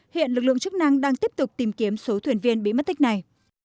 hiện lực lượng chức năng đang tiếp tục tìm kiếm số thuyền viên bị mất tích này